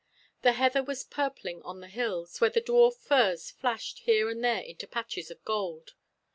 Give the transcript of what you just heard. The heather was purpling on the hills, where the dwarf furze flashed here and there into patches of gold.